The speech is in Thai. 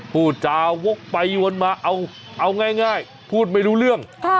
พูดจาวกไปวนมาเอาง่ายพูดไม่รู้เรื่อง